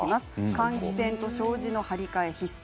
換気扇や障子の張り替えも必須。